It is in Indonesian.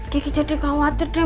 gigi jadi khawatir deh